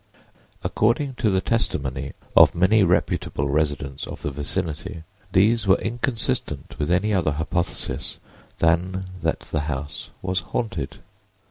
According to the testimony of many reputable residents of the vicinity these were inconsistent with any other hypothesis than that the house was haunted.